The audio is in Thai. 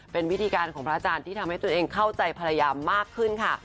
เป็นวิธีการของพระอาจารย์ที่ทำให้ตัวเองเข้าใจภรรยามากขึ้นค่ะ